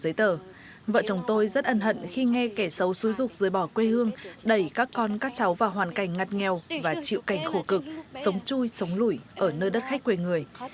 chia sẻ về những tháng ngày cơ cực ở nơi đất khách quê người vợ chồng tôi rất ẩn hận khi nghe kẻ xấu xuôi rục rơi bỏ quê hương đẩy các con các cháu vào hoàn cảnh ngặt nghèo và chịu cảnh khổ cực sống chui sống lũi ở nơi đất khách quê người